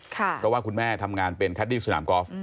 เพราะว่าคุณแม่ทำงานเป็นแคดดี้สนามกอล์ฟ